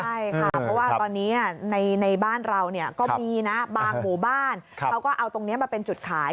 ใช่ค่ะเพราะว่าตอนนี้ในบ้านเราก็มีนะบางหมู่บ้านเขาก็เอาตรงนี้มาเป็นจุดขาย